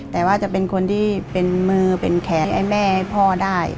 แต่ว่าจะเป็นคนที่เป็นมือเป็นแขนให้แม่ให้พ่อได้